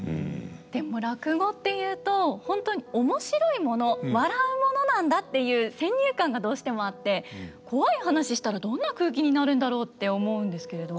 でも落語っていうと本当に面白いもの笑うものなんだっていう先入観がどうしてもあってコワい話したらどんな空気になるんだろうって思うんですけれど。